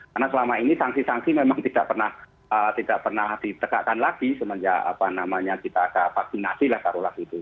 karena selama ini sanksi sanksi memang tidak pernah ditegakkan lagi semenjak apa namanya kita ada vaksinasi lah